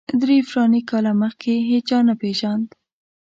درې فلاني کاله مخکې هېچا نه پېژاند.